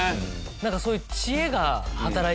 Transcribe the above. なんかそういう。